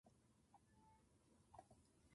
消し飛ばしてやる!